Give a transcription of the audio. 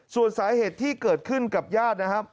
ส่วนสาเหตุที่เกิดขึ้นกับญาตินะครับ